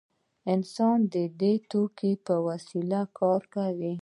انسان د دې توکو په وسیله کار کوي.